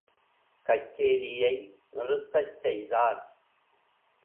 கச்சேரியை நிறுத்தச் செய்தார்.